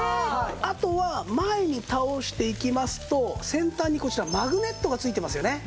あとは前に倒していきますと先端にこちらマグネットが付いてますよね。